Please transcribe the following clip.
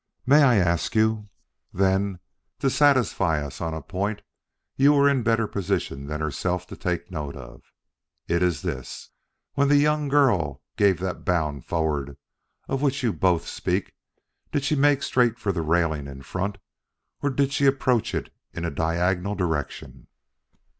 May I ask you, then, to satisfy us on a point you were in a better position than herself to take note of. It is this: When the young girl gave that bound forward of which you both speak, did she make straight for the railing in front, or did she approach it in a diagonal direction?"